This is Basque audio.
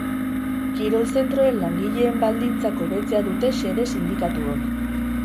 Kirol zentroen langileen baldintzak hobetzea dute xede sindikatuok.